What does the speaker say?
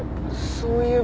そういえば。